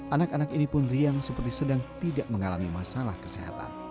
anak anak ini pun riang seperti sedang tidak mengalami masalah kesehatan